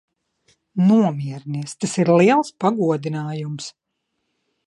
Nomierinies. Tas ir liels pagodinājums.